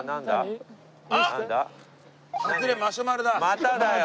まただよ！